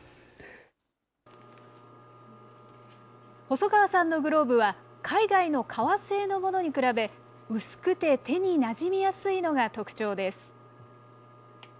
細川さんのグローブは、海外の革製のものに比べ、薄くて手になじみやすいのが特徴です。